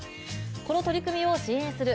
この取り組みを支援する